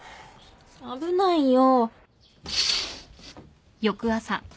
危ないよ。